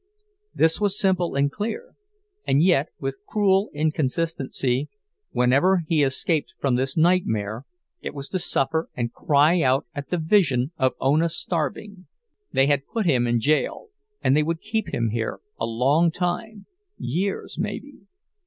This was simple and clear, and yet, with cruel inconsistency, whenever he escaped from this nightmare it was to suffer and cry out at the vision of Ona starving. They had put him in jail, and they would keep him here a long time, years maybe.